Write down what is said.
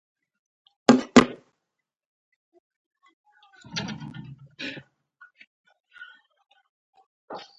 شتمنۍ ماليه پيکيټي مقیاس غیر عملي ښکاري.